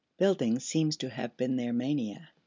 Building seems to have been their mania.